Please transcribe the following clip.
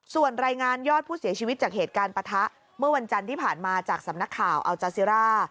ส่วนรายงานยอดผู้เสียชีวิตจากเหตุการณ์ปะทะเมื่อวันจันทร์ที่ผ่านมาจากสำนักข่าวอัลจาซิร่า